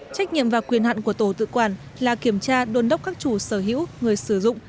trách nhiệm và quyền hạn của tổ tự quản là kiểm tra đôn đốc các chủ sở hữu người sử dụng